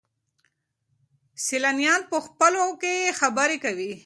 سیلانیان په خپلو کې خبرې کوي.